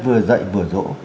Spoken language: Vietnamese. vừa dạy vừa dỗ